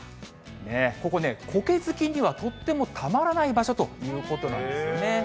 ここね、こけ好きにはとってもたまらない場所ということなんですね。